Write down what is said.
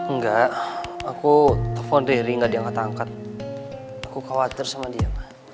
nggak aku telepon riri nggak diangkat angkat aku khawatir sama dia